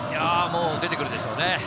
出てくるでしょうね。